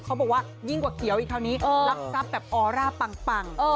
เขาบอกว่ายิ่งกว่าเขียวอีกคราวนี้รับทรัพย์แบบออร่าปัง